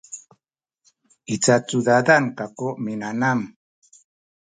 i cacudadan kaku minanam